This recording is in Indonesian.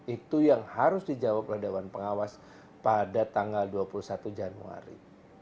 itu yang harus dijawab oleh dewan pengawas pada tanggal dua puluh satu januari